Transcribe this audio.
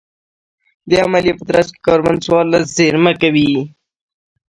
د دې عملیې په ترڅ کې کاربن څوارلس زېرمه کوي